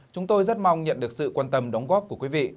chúng tôi rất mong nhận được sự quan tâm đóng góp của quý vị